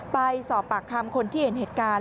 ไปสอบปากคำคนที่เห็นเหตุการณ์